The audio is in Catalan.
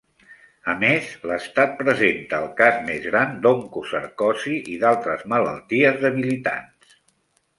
A més, l'estat presenta el cas més gran d'oncocercosi i d'altres malalties debilitants.